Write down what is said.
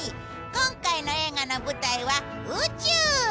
今回の映画の舞台は宇宙！